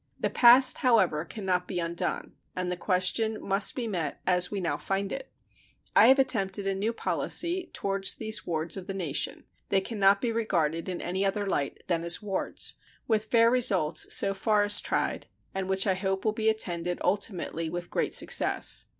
The past, however, can not be undone, and the question must be met as we now find it. I have attempted a new policy toward these wards of the nation (they can not be regarded in any other light than as wards), with fair results so far as tried, and which I hope will be attended ultimately with great success.